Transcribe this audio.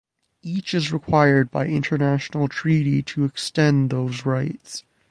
Each is required by international treaty to extend those rights.